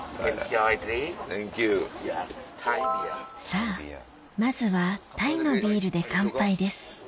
さぁまずはタイのビールで乾杯です